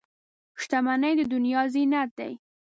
• شتمني د دنیا زینت دی.